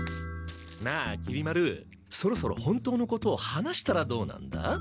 なあきり丸そろそろ本当のことを話したらどうなんだ？